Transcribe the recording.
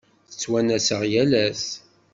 Yettwanas-aɣ yal ass.